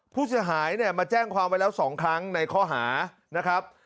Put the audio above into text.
ผู้เสียหายเนี่ยมาแจ้งความไว้แล้ว๒ครั้งในข้อหานะครับ